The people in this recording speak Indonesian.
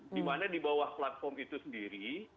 dimana dibawah platform itu sendiri